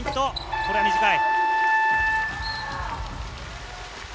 これは短い。